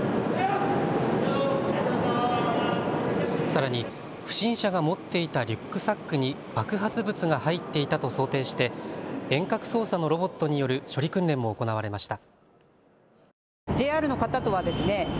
さらに不審者が持っていたリュックサックに爆発物が入っていたと想定して遠隔操作のロボットによる処理訓練も行われました。